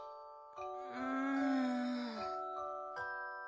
うん。